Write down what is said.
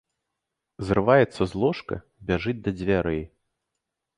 Зрываецца з ложка, бяжыць да дзвярэй.